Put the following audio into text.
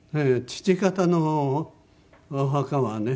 父方のお墓はね